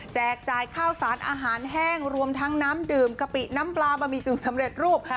จ่ายข้าวสารอาหารแห้งรวมทั้งน้ำดื่มกะปิน้ำปลาบะหมี่กึ่งสำเร็จรูป